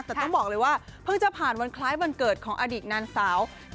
แต่ต้องบอกเลยว่าเพิ่งจะผ่านวันคล้ายวันเกิดของอดีตนางสาว